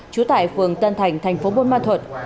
chú tại phường tân thành tp bôn ma thuật